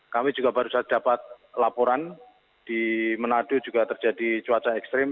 kami juga baru saja dapat laporan di manado juga terjadi cuaca ekstrim